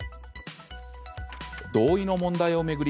同意の問題を巡り